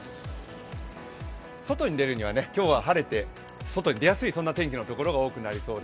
外に出るには今日は晴れて、外に出やすい天気のところが多くなりそうです。